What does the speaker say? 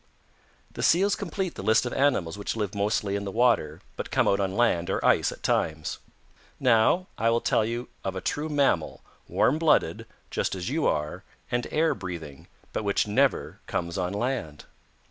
"The Seals complete the list of animals which live mostly in the water but come out on land or ice at times. Now I will tell you of a true mammal, warm blooded, just as you are, and air breathing, but which never comes on land.